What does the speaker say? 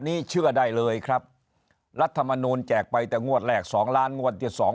นี้เชื่อได้เลยครับรัฐมนูลแจกไปแต่งวดแรกสองล้านงวดที่สอง